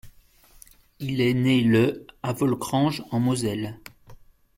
Il est né le à Volkrange en Moselle.